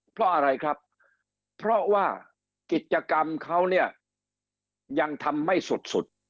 เพราะอะไรครับเพราะว่ากิจกรรมเขาเนี่ยยังทำไม่สุดสุด